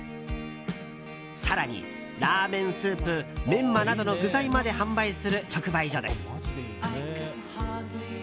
更にラーメンスープメンマなどの具材まで販売する直売所です。